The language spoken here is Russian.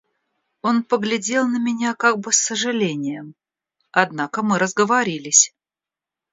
Он поглядел на меня как бы с сожалением; однако мы разговорились.